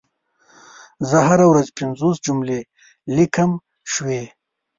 زه هره ورځ پنځوس جملي ليکم شوي